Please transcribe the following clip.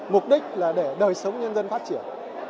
mục đích là để đời sống nhân dân phát triển